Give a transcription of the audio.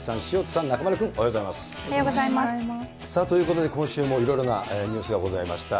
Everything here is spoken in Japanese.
さあ、ということで今週も、いろいろなニュースがございました。